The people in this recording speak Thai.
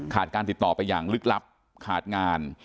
การติดต่อไปอย่างลึกลับขาดงาน